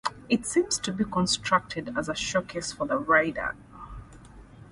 It seems to be constructed as a showcase for the rider.